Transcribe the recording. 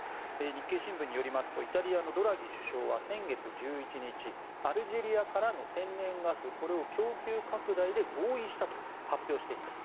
日経新聞によりますとイタリアのドラギ首相は先月１１日アルジェリアからの天然ガスこれを供給拡大で合意したと発表しています。